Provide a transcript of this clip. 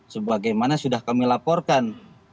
sebagaimana sudah kami laporkan